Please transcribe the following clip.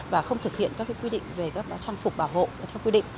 và không thực hiện các quy định về các trang phục bảo hộ theo quy định